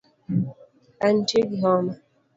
Antie gi homa